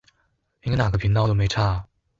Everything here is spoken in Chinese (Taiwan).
應該哪個頻道都沒差